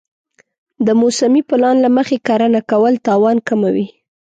د موسمي پلان له مخې کرنه کول تاوان کموي.